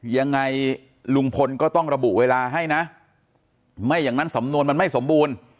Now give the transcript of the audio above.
ยังไงลุงพลก็ต้องระบุเวลาให้นะไม่อย่างนั้นสำนวนมันไม่สมบูรณ์